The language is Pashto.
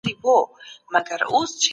د ښوونکي درناوی کول د زده کونکي دنده ده.